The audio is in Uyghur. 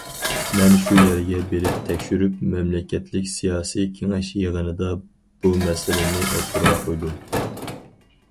مەن شۇ يەرگە بېرىپ تەكشۈرۈپ، مەملىكەتلىك سىياسىي كېڭەش يىغىنىدا بۇ مەسىلىنى ئوتتۇرىغا قويدۇم.